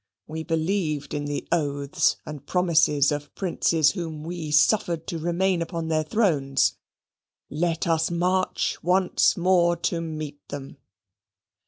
We believed in the oaths and promises of princes whom we suffered to remain upon their thrones. Let us march once more to meet them.